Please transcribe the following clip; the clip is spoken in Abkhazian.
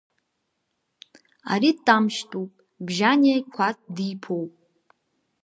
Ари Тамшьтәуп, Бжьаниа Қәаҭ диԥоуп.